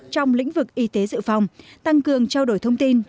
trong lĩnh vực y tế dự phòng tăng cường trao đổi thông tin